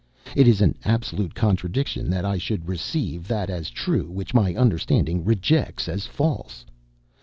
It is an absolute contradiction that I should receive that as true which my understanding rejects as false.